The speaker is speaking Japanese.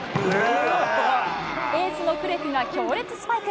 エースのクレクが強烈スパイク。